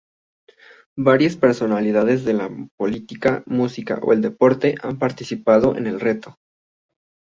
Varias personalidades de la política, música o el deporte han participado en el reto.